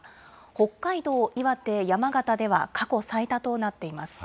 北海道、岩手、山形では過去最多となっています。